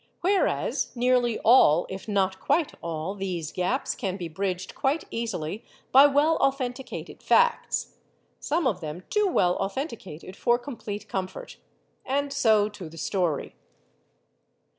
Whereas, nearly all, if not quite all, these gaps can be bridged quite easily MADAME JUMEL 91 by well authenticated facts. Some of them too well authenticated for complete comfort. And so to the story.